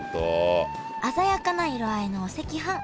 鮮やかな色合いのお赤飯。